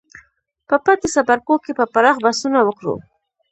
په پاتې څپرکو کې به پراخ بحثونه وکړو.